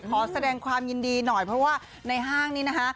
ขอแสดงความยินดีหน่อยเพราะว่าในห้างนี้นะคะ